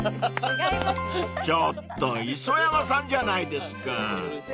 ［ちょっと磯山さんじゃないですか］